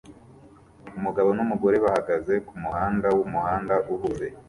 Umugabo numugore bahagaze kumuhanda wumuhanda uhuze